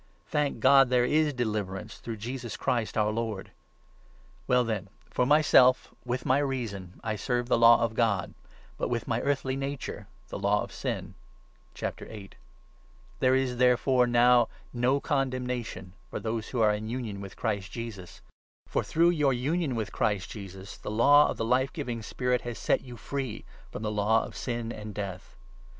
Thank God, 25 there is deliverance through Jesus Christ, our Lord ! Well then, for myself, with my reason I serve the Law of God, but with my earthly nature the Law of Sin. cod's There is, therefore, now no condemnation for i J Deliverance those who are in union with Christ Jesus ; for 2 thlchfi«t h° through your union with Christ Jesus, the Law of and the the life giving Spirit has set you free from the Holy spirit. Law of sin and Death.